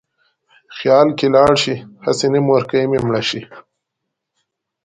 خیال کې لاړ شې: هسې نه مورکۍ مې مړه شي